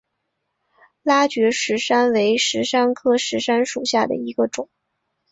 拉觉石杉为石杉科石杉属下的一个种。